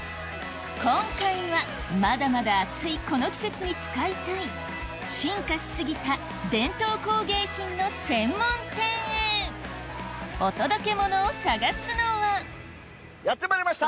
今回はまだまだ暑いこの季節に使いたいの専門店へお届けモノを探すのはやってまいりました